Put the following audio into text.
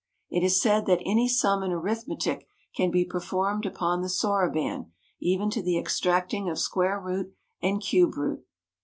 It is said that any sum in arithmetic can be performed upon the soroban, even to the extracting of square root and cube root.